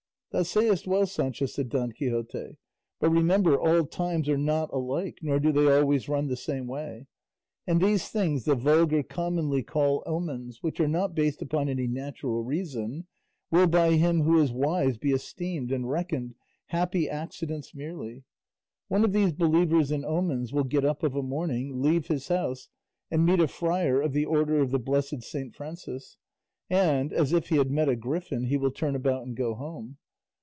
"Thou sayest well, Sancho," said Don Quixote, "but remember all times are not alike nor do they always run the same way; and these things the vulgar commonly call omens, which are not based upon any natural reason, will by him who is wise be esteemed and reckoned happy accidents merely. One of these believers in omens will get up of a morning, leave his house, and meet a friar of the order of the blessed Saint Francis, and, as if he had met a griffin, he will turn about and go home.